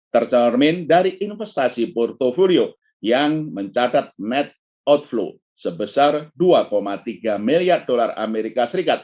tercermin dari investasi portfolio yang mencatat net outflow sebesar dua tiga miliar dolar as